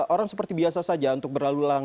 orang seperti biasa saja untuk berlalulang